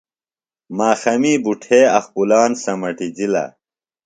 ماخمی بُٹھے اخپُلان سمَٹِجِلہ۔